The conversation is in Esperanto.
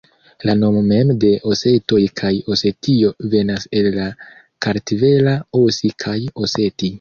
La nomo mem de osetoj kaj Osetio venas el la kartvela osi kaj Oseti.